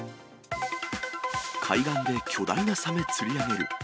海岸で巨大なサメ釣り上げる。